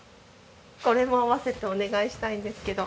これも併せてお願いしたいんですけど。